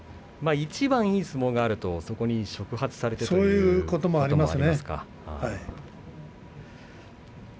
一番いい相撲があるとそれに触発されてそういうこともありますね。